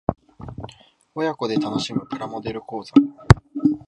親子で楽しむプラモデル講座